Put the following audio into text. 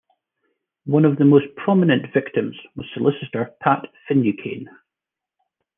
One of the most prominent victims was solicitor Pat Finucane.